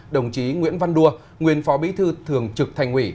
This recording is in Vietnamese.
đồng chí nguyễn văn đua nguyên phó bí thư thường trực thành ủy